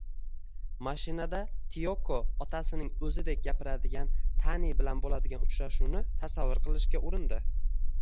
Mashinada Tiyoko otasining o`zidek gapiradigan Tani bilan bo`ladigan uchrashuvini tasavvur qilishga urindi